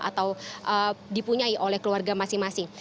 atau dipunyai oleh keluarga masing masing